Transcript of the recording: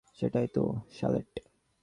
সেটাই তো, শার্লেট?